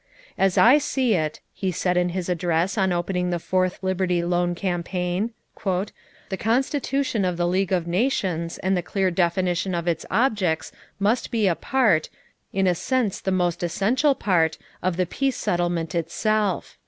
"As I see it," he said in his address on opening the Fourth Liberty Loan campaign, "the constitution of the League of Nations and the clear definition of its objects must be a part, in a sense the most essential part, of the peace settlement itself."